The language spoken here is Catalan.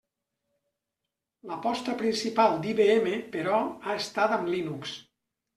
L'aposta principal d'IBM, però, ha estat amb Linux.